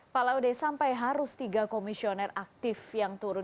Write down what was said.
pak laude sampai harus tiga komisioner aktif yang turun